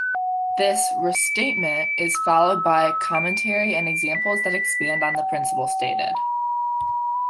This "restatement" is followed by commentary and examples that expand on the principle stated.